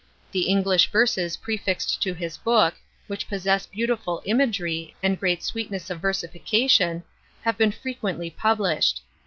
The English verses prefixed to his book, which possess beautiful imagery, and great sweetness of versification, have been frequently published.